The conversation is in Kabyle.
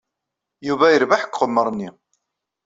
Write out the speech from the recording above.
Yuba yerbeḥ deg uqemmer-nni.